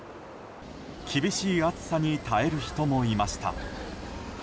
厳しい暑さに耐える人もいました。